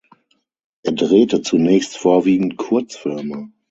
Er drehte zunächst vorwiegend Kurzfilme.